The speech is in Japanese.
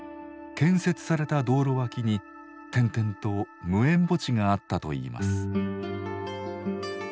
建設された道路脇に点々と無縁墓地があったといいます。